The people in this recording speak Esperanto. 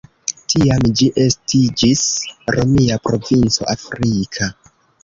Tiam ĝi estiĝis romia provinco "Africa".